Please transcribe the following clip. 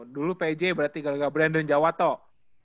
dulu pj berarti kalo gak brandon jawa toh